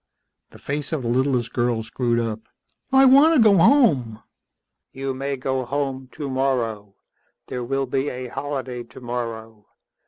The face of the littlest girl screwed up. "I want to go home." "You may go home tomorrow. There will be a holiday tomorrow.